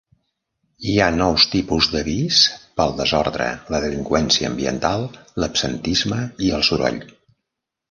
Hi ha nous tipus d'avís pel desordre, la delinqüència ambiental, l'absentisme i el soroll.